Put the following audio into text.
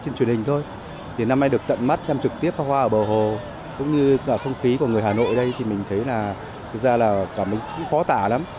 năm nay được tận mắt xem trực tiếp pháo hoa ở bờ hồ cũng như là không khí của người hà nội đây thì mình thấy là thực ra là cũng khó tả lắm